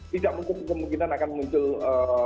tidak mungkin akan muncul eee